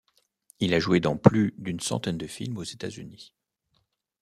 Il a joué dans plus d'une centaine de films aux États-Unis.